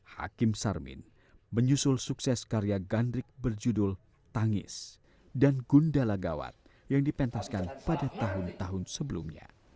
hakim sarmin menyusul sukses karya gandrik berjudul tangis dan gundala gawat yang dipentaskan pada tahun tahun sebelumnya